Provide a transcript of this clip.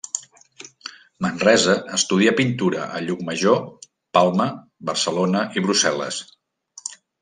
Manresa estudià pintura a Llucmajor, Palma, Barcelona i Brussel·les.